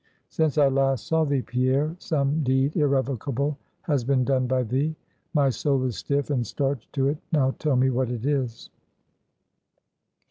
Since I last saw thee, Pierre, some deed irrevocable has been done by thee. My soul is stiff and starched to it; now tell me what it is?"